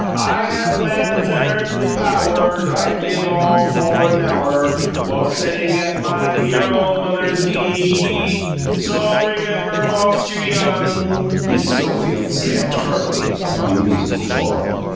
"I have lands and earthly pow wur. I'd give all for a now wur, Whi ilst setting at MY Y Y dear old mother's knee ee, So o o rem mem bur whilst you're young " Miss Schofield stamped heartily upon the musical floor.